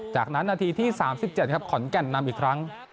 จากนั้นนาทีที่๓๗ครับขอนแก่นนำอีกครั้ง